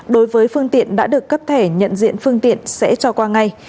đối với phương tiện đã được cấp thẻ nhận diện phương tiện sẽ cho qua ngay